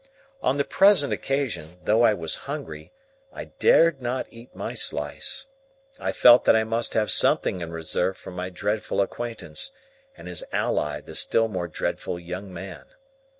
On the present occasion, though I was hungry, I dared not eat my slice. I felt that I must have something in reserve for my dreadful acquaintance, and his ally the still more dreadful young man.